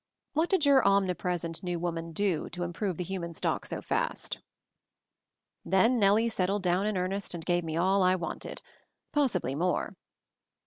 What did your omnipresent new woman do to improve the human stock so fast?" Then Nellie settled down in earnest and gave me all I wanted — possibly more.